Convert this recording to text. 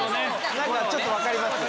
ちょっと分かります。